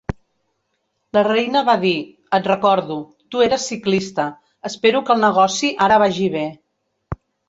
La reina va dir: "Et recordo. Tu eres ciclista. Espero que el negoci ara vagi bé".